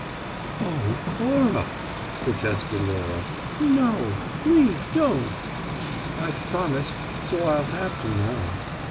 "Oh, Cora," protested Laura, "no! Please don't!" "I've promised; so I'll have to, now."